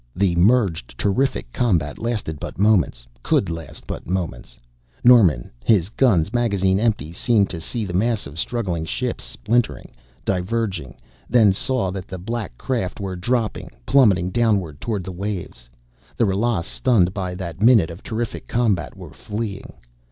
The merged, terrific combat lasted but moments; could last but moments. Norman, his gun's magazine empty, seemed to see the mass of struggling ships splittering, diverging; then saw that the black craft were dropping, plummeting downward toward the waves! The Ralas, stunned by that minute of terrific combat, were fleeing.